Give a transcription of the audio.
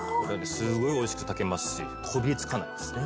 すごい美味しく炊けますしこびりつかないんですね